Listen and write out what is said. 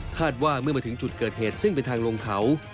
ว่าเมื่อมาถึงจุดเกิดเหตุซึ่งเป็นทางลงเขา